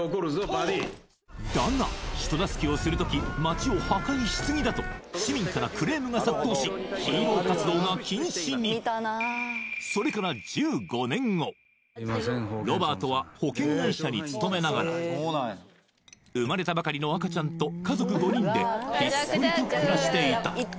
バディだが人助けをする時街を破壊しすぎだと市民からクレームが殺到しそれからロバートは保険会社に勤めながら生まれたばかりの赤ちゃんと家族５人でひっそりと暮らしていた